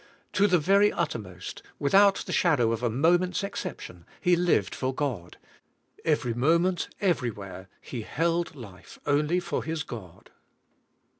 To the very uttermost, without the shadow of a moment's ex ception. He lived for God, — every moment, ever}^ where. He held life only for His God.